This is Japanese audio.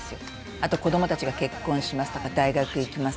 あと子供達が結婚しますとか大学行きます